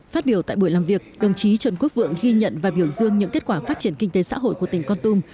phát biểu tại buổi làm việc đồng chí trần quốc vượng ghi nhận và biểu dương những kết quả phát triển kinh tế xã hội của tỉnh con tum